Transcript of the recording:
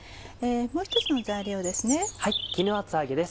もう１つの材料ですね。